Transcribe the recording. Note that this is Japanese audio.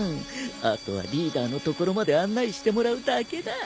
あとはリーダーのところまで案内してもらうだけだ。